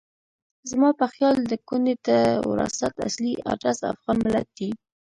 زما په خیال د کونډې د وراثت اصلي ادرس افغان ملت دی.